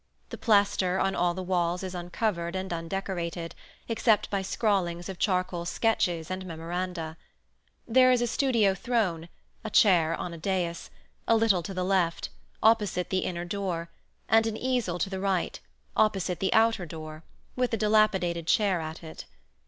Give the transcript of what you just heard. The plaster on all the walls is uncovered and undecorated, except by scrawlings of charcoal sketches and memoranda. There is a studio throne (a chair on a dais) a little to the left, opposite the inner door, and an easel to the right, opposite the outer door, with a dilapidated chair at it.